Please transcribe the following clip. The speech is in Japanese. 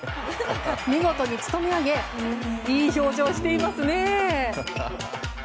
見事に務め上げいい表情していますね。